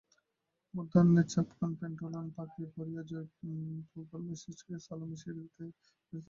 মধ্যাহ্নে চাপকান pantaloon পাগড়ি পরিয়া জয়গোপাল ম্যাজিস্ট্রেটকে সেলাম করিতে গিয়াছে।